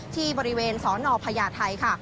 ที่บริเวณสนพญาติไทย